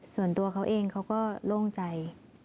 ส่วนตัวเขาเองเขาก็โล่งใจ